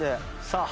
さあ